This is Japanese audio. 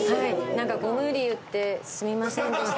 何かご無理言ってすみませんでした。